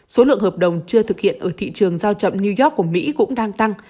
số lượng hợp đồng chưa thực hiện ở thị trường giao chậm new york của mỹ cũng đang tăng